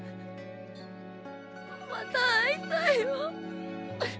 また会いたいよ。